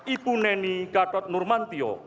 ibu neni gatot nurmantio